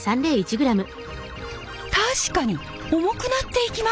確かに重くなっていきます！